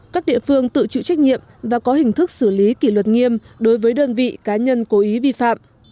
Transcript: các địa phương tự chịu trách nhiệm và có hình thức xử lý kỷ luật nghiêm đối với đơn vị cá nhân cố ý vi phạm